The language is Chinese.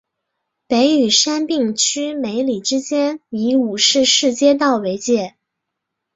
北与杉并区梅里之间以五日市街道为界。